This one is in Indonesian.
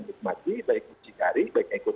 menikmati baik yang mencicari baik yang ikut